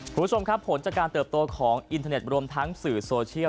คุณผู้ชมครับผลจากการเติบโตของอินเทอร์เน็ตรวมทั้งสื่อโซเชียล